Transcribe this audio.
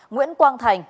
nguyễn quang thành